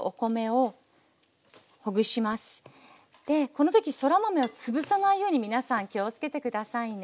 この時そら豆を潰さないように皆さん気をつけて下さいね。